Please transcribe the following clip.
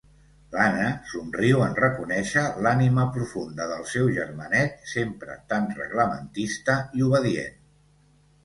L'Anna somriu en reconèixer l'ànima profunda del seu germanet, sempre tan reglamentista i obedient.